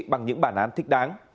bằng những bản án thích đáng